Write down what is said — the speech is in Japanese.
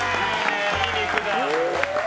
いい肉だ！